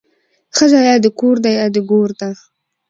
ښځه يا د کور ده يا د ګور ده